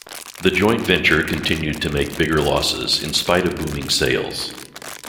The joint venture continued to make bigger losses in spite of booming sales.